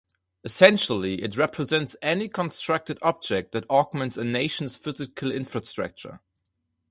Essentially, it represents any constructed object that augments a nation's physical infrastructure.